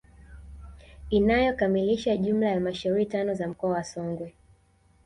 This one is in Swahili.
Inayokamilisha jumla ya halmashauri tano za mkoa wa Songwe